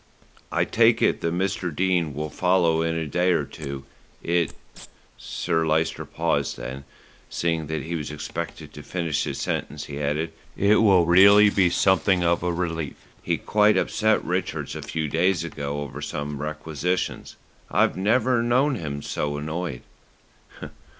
"I take it that Mr. Dene will follow in a day or two. It " Sir Lyster paused; then, seeing that he was expected to finish his sentence, he added, "It will really be something of a relief. He quite upset Rickards a few days ago over some requisitions. I've never known him so annoyed."